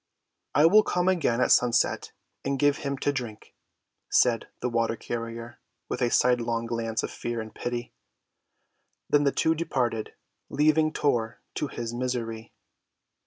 "I will come again at sunset and give him to drink," said the water‐ carrier, with a sidelong glance of fear and pity. Then the two departed, leaving Tor to his misery.